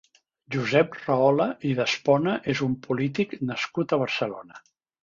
Josep Rahola i d'Espona és un polític nascut a Barcelona.